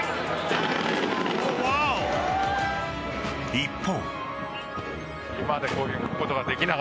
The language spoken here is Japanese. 一方。